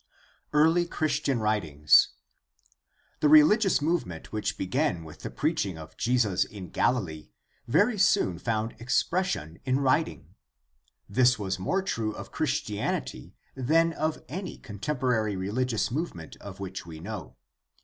Early Christian writings. — The religious movement which began with the preaching of Jesus in Galilee very soon found expression in writing. This was more true of Chris tianity than of any contemporary religious movement of which we know.